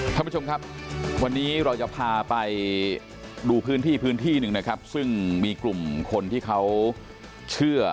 ท่านผู้ชมครับวันนี้เราจะพาไปดูพื้นที่พื้นที่หนึ่งนะครับซึ่งมีกลุ่มคนที่เขาเชื่อ